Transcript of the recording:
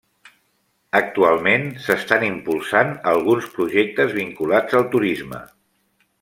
Actualment, s'estan impulsant alguns projectes vinculats al turisme.